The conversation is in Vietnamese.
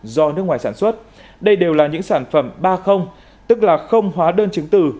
do nước ngoài sản xuất đây đều là những sản phẩm ba tức là không hóa đơn chứng từ